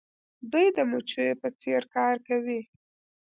دوی د مچیو په څیر کار کوي.